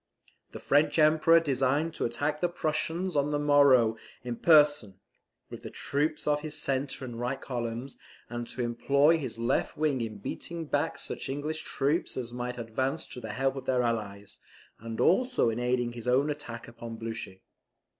The French Emperor designed to attack the Prussians on the morrow in person, with the troops of his centre and right columns, and to employ his left wing in beating back such English troops as might advance to the help of their allies, and also in aiding his own attack upon Blucher.